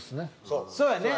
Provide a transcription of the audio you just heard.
そうやね。